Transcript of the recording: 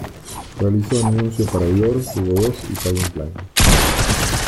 Realizó anuncios para Dior, Hugo Boss y Calvin Klein.